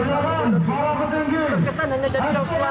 menurut saya terkesan hanya dari kelapa